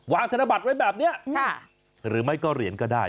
ธนบัตรไว้แบบนี้หรือไม่ก็เหรียญก็ได้